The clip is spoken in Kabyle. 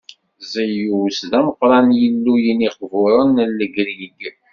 Ziyus d ameqqran n yilluyen iqburen n Legrig.